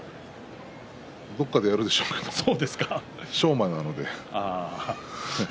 どこかでやるでしょうけど翔馬なので。